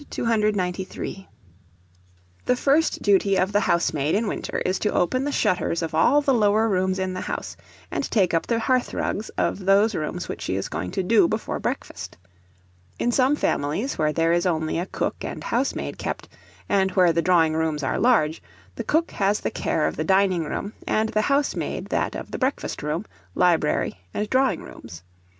The first duty of the housemaid in winter is to open the shutters of all the lower rooms in the house, and take up the hearth rugs of those rooms which she is going to "do" before breakfast. In some families, where there is only a cook and housemaid kept, and where the drawing rooms are large, the cook has the care of the dining room, and the housemaid that of the breakfast room, library, and drawing rooms.